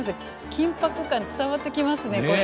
緊迫感伝わってきますねこれ。